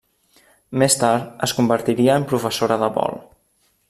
Més tard es convertiria en professora de vol.